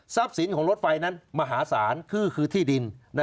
สินของรถไฟนั้นมหาศาลคือที่ดิน